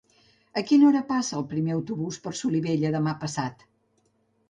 A quina hora passa el primer autobús per Solivella demà passat?